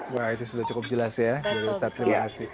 wah itu sudah cukup jelas ya ustadz terima kasih